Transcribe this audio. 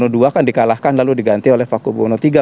paku buwono ii kan dikalahkan lalu diganti oleh paku buwono iii